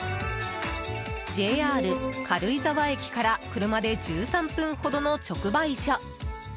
ＪＲ軽井沢駅から車で１３分ほどの直売所